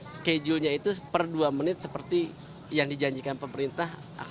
schedule nya itu per dua menit seperti yang dijanjikan pemerintah